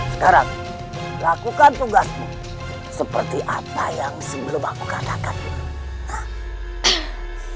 sekarang lakukan tugasmu seperti apa yang sebelum aku katakan